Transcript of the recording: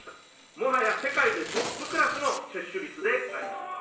もはや世界でトップクラスの接種率であります。